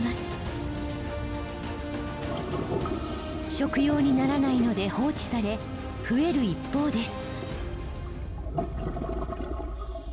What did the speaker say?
食用にならないので放置され増える一方です。